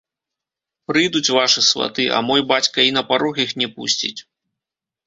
Прыйдуць вашы сваты, а мой бацька і на парог іх не пусціць.